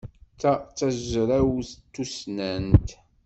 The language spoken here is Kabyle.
Ta d tazrawt tussnant.